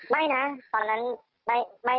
ไม่นะตอนนั้นไม่ขนาดนี้